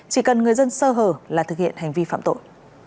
chỉ cần người dân sơ hở là thực hiện hành vi phạm tội